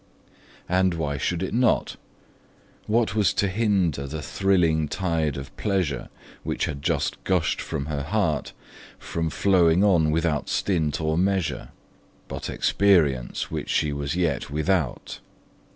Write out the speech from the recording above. And why should it not? What was to hinder the thrilling tide of pleasure, which had just gushed from her heart, from flowing on without stint or measure, but experience which she was yet without?